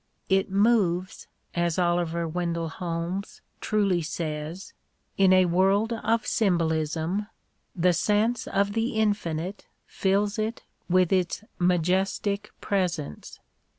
" It moves," as Oliver Wendell Holmes truly says, " in a world of symbolism, the sense of the infinite fills it with its majestic presence."